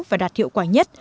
và đạt hiệu quả nhất